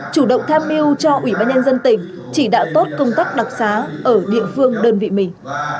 chủ động tham mưu cho ủy ban nhân dân tỉnh chỉ đạo tốt công tác đặc xá ở địa phương đơn vị mình